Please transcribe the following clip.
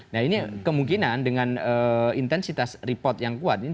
nah ini kemungkinan dengan intensitas report yang kuat ini